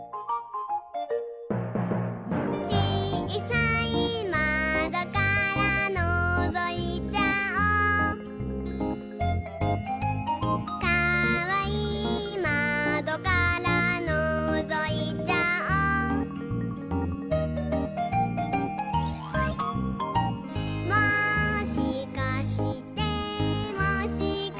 「ちいさいまどからのぞいちゃおう」「かわいいまどからのぞいちゃおう」「もしかしてもしかして」